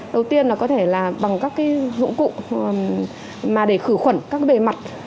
đầu tiên là có thể là bằng các dụng cụ mà để khử khuẩn các bề mặt